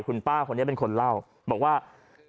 กลับมาพร้อมขอบความ